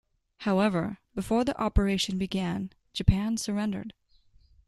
However, before the operation began, Japan surrendered.